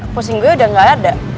pusing gue udah gak ada